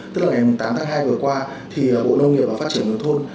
tức là ngày tám tháng hai vừa qua thì bộ nông nghiệp và phát triển nông thôn